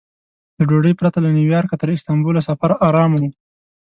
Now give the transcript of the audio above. له ډوډۍ پرته له نیویارکه تر استانبوله سفر ارامه و.